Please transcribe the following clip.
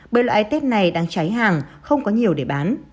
bởi loại i tết này đang cháy hàng không có nhiều để bán